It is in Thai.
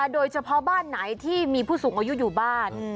โดยเฉพาะบ้านไหนที่มีผู้สูงอายุอยู่บ้าน